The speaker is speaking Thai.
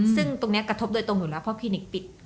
ซึ่งตรงนี้กระทบโดยตรงอยู่แล้วเพราะคลินิกปิด